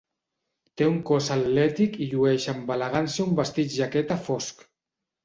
Té un cos atlètic i llueix amb elegància un vestit-jaqueta fosc.